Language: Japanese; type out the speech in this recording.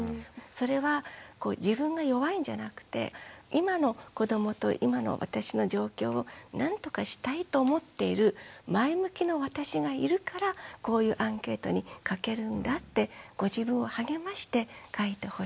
それは自分が弱いんじゃなくて今の子どもと今の私の状況をなんとかしたいと思っている前向きの私がいるからこういうアンケートに書けるんだってご自分を励まして書いてほしい。